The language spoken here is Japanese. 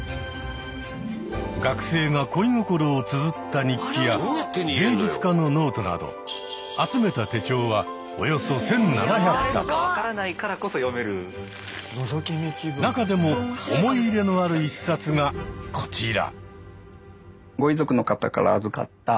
学生が恋心をつづった日記や芸術家のノートなど集めた手帳はおよそ中でも思い入れのある１冊がこちら。